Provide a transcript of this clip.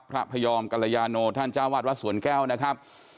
พระพยอมกรยาโนท่านเจ้าวาดวัดสวนแก้วนะครับ